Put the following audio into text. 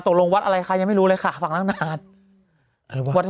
ตกลงวัดอะไรค่ะยังไม่รู้เลยค่ะฝั่งน้ำนานวัดว่า